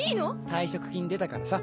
退職金出たからさ。